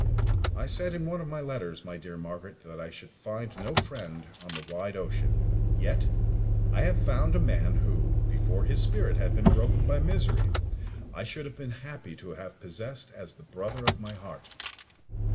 I said in one of my letters, my dear Margaret, that I should find no friend on the wide ocean; yet I have found a man who, before his spirit had been broken by misery, I should have been happy to have possessed as the brother of my heart.